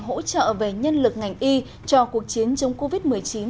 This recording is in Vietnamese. hỗ trợ về nhân lực ngành y cho cuộc chiến chống covid một mươi chín tại đà nẵng